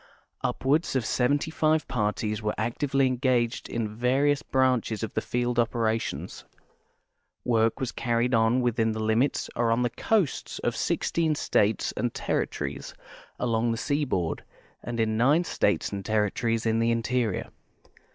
Upwards of seventy five parties were actively engaged in the various branches of the field operations. Work was carried on within the limits or on the coasts of sixteen states and territories along the seaboard and in nine states and territories in the interior.